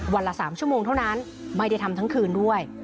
ละ๓ชั่วโมงเท่านั้นไม่ได้ทำทั้งคืนด้วย